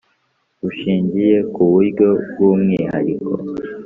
Gishingiye ku buryo bw umwihariko